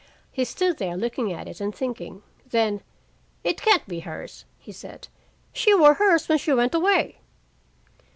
He stood there looking at it and thinking. Then: "It can't be hers," he said. "She wore hers when she went away."